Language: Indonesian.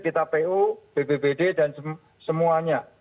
kita pu bbbd dan semuanya